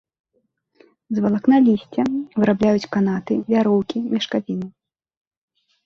З валакна лісця вырабляюць канаты, вяроўкі, мешкавіну.